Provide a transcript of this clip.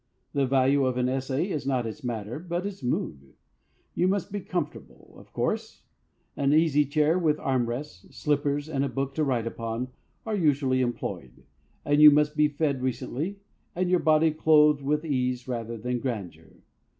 The value of an essay is not its matter, but its mood. You must be comfortable, of course; an easy chair with arm rests, slippers, and a book to write upon are usually employed, and you must be fed recently, and your body clothed with ease rather than grandeur.